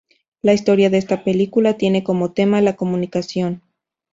La historia de esta película tiene como tema la comunicación.